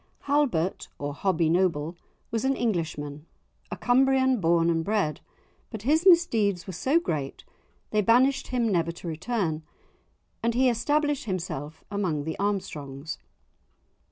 Halbert or Hobbie Noble was an Englishman, a Cumbrian born and bred, but his misdeeds were so great, they banished him never to return, and he established himself among the Armstrongs.